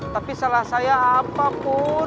tapi salah saya apa pur